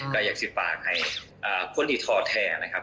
กะอยากฝากให้คนที่ทอแทนนะครับ